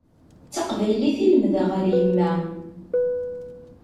D taqbaylit i lemdeɣ ar yemma.